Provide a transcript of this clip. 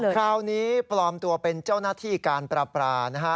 คราวนี้ปลอมตัวเป็นเจ้าหน้าที่การปราปานะฮะ